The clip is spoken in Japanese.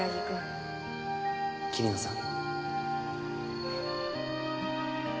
桐野さん。